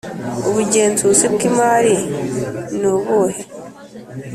ubugenzuzi bw Imari niubuhe